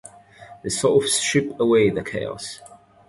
They sort of strip away the chaos.